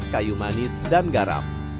kayu manis dan garam